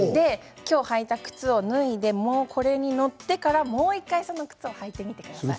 履いた靴を脱いでこれに乗ってからもう１回その靴を履いてみてください。